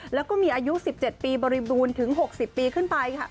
แล้วก็มีอายุ๑๗ปีบริบูรณ์ถึง๖๐ปีขึ้นไปค่ะ